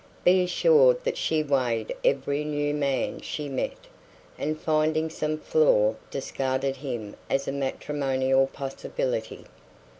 Be assured that she weighed every new man she met, and finding some flaw discarded him as a matrimonial possibility.